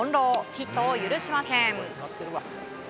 ヒットを許しません。